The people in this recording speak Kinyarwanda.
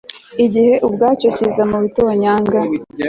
igihe ubwacyo kiza mu bitonyanga. - william james